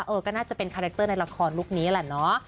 ก็น่าจะเป็นคาแรคเตอร์ในละครลุคนี้แหละเนาะ